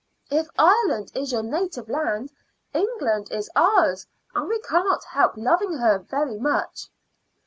If Ireland is your native land, England is ours, and we cannot help loving her very, very much."